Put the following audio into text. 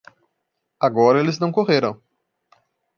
Agora eles não correram.